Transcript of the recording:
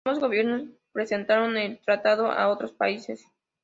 Ambos gobiernos presentaron el tratado a otros países.